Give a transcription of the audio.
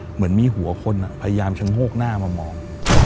เหมือนมีหัวคนพยายามชะโงกหน้ามามอง